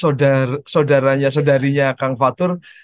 saya mulai manggil saudaranya saudarinya kang fatur